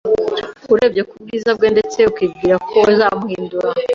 urebeye ku bwiza bwe ndetse ukibwira ko uzamuhindura